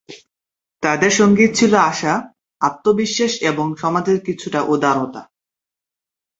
তাদের সঙ্গী ছিল আশা, আত্মবিশ্বাস এবং সমাজের কিছুটা উদারতা।